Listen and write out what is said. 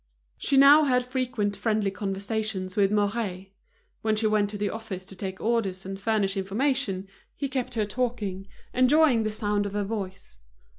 She now had frequent friendly conversations with Mouret. When she went to the office to take orders and furnish information, he kept her talking, enjoying the sound of her voice.